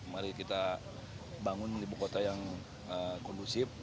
mari kita bangun ibu kota yang kondusif